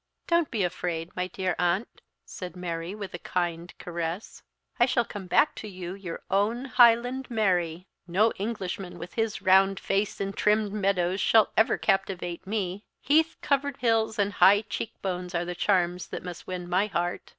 "Don't be afraid, my dear aunt," said Mary, with a kind caress; "I shall come back to you your own 'Highland Mary.' No Englishman with his round face and trim meadows shall ever captivate me. Heath covered hills and high cheek bones are the charms that must win my heart."